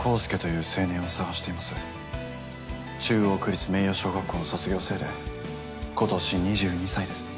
中央区立明陽小学校の卒業生で今年２２歳です。